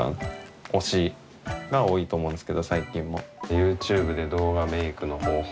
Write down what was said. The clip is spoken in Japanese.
ＹｏｕＴｕｂｅで動画メイクの方法みたいなＢＢ